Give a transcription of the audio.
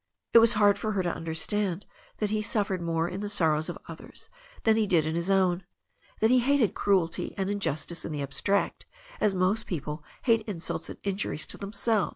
It was hard for her to understand that he suffered more in the sorrows of others than he did in his own, that he hated cruelty and injustice in the abstract as most people hate insults and injuries to themselves.